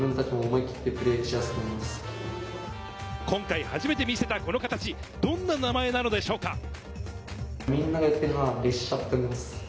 今回初めて見せたこの形、どんな名前なのでしょうか。